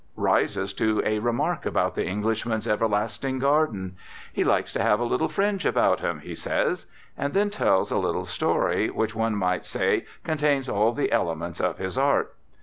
Rises to a remark about the Englishman's everlasting garden. "He likes to have a little fringe about him," he says. And then tells a little story, which one might say contains all the elements of his art.